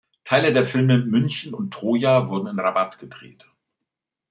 Teile der Filme "München" und "Troja" wurden in Rabat gedreht.